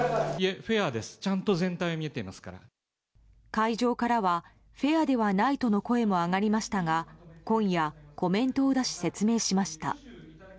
会場からはフェアではないとの声も上がりましたが今夜、コメントを出し説明しました。